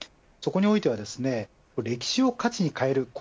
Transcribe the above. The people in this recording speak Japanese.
そこにおいては歴史を価値に変える